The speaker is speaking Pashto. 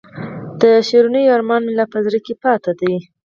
د شیرینو ارمان مې لا په زړه کې پاتې دی.